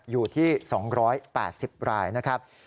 อยู่ที่๒๘๐รายนะครับ